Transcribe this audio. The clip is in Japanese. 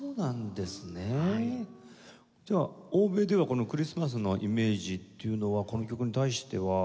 じゃあ欧米ではこのクリスマスのイメージっていうのはこの曲に対しては。